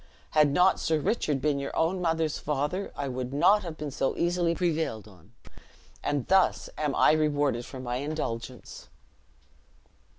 Had not Sir Richard been your own mother's father, I would not have been so easily prevailed on; and thus am I rewarded for my indulgence."